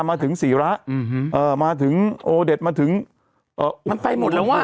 มาถึงศีระอืมเอ่อมาถึงโอเด็ดมาถึงเอ่อมันไปหมดแล้วอ่ะ